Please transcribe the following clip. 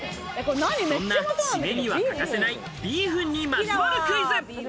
そんな締めには欠かせないビーフにまつわるクイズ。